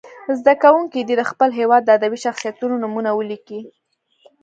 زده کوونکي دې د خپل هېواد د ادبي شخصیتونو نومونه ولیکي.